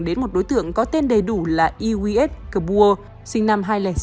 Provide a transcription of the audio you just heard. đến một đối tượng có tên đầy đủ là i w s kabur sinh năm hai nghìn sáu